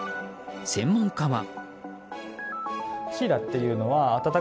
専門家は。